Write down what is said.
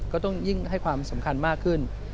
ก็ต้องยิ่งให้ความสำคัญมากขึ้น